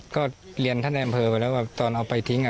ก็เรียนท่านในอำเภอไปแล้วว่าตอนเอาไปทิ้ง